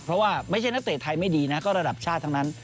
เพราะว่าไม่ใช่นักเตะไทยไม่ดีนะก็ระดับชาติทั้งนั้น